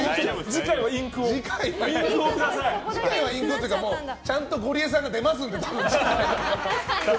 次回はインクをください。というかちゃんとゴリエさんが出ますので。